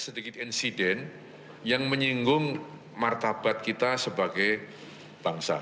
sedikit insiden yang menyinggung martabat kita sebagai bangsa